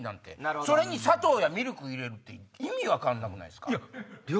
それに砂糖やミルク入れるって意味分かんなくないっすか？